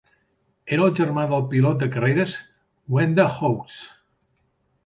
Era el germà del pilot de carreres Gwenda Hawkes.